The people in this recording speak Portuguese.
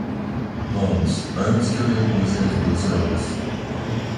Vamos, antes que eu recuse as doze horas.